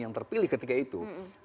yang terpilih ketika itu